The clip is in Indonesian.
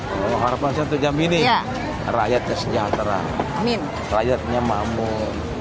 kalau harapan untuk jambi ini rakyatnya sejahtera rakyatnya mahmud